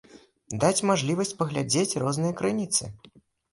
Даць мажлівасць паглядзець розныя крыніцы.